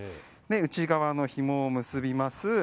内側のひもを結びます。